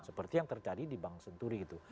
seperti yang terjadi di bank senturi gitu